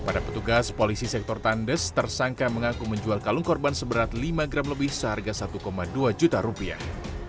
pada petugas polisi sektor tandes tersangka mengaku menjual kalung korban seberat lima gram lebih seharga satu dua juta rupiah